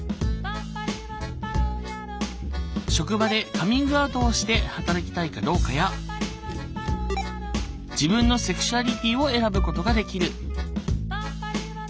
職場でカミングアウトして働きたいかどうかや自分のセクシュアリティーを選ぶことができる。